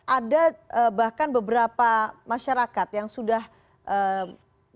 ada bahkan beberapa masyarakat yang sudah menjalani vaksinasi